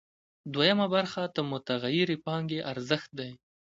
دویمه برخه د متغیرې پانګې ارزښت دی